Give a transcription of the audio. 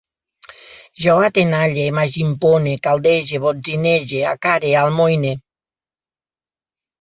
Jo atenalle, m'agimpone, caldege, botzinege, acare, almoine